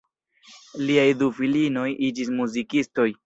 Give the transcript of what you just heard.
Liaj du filinoj iĝis muzikistoj.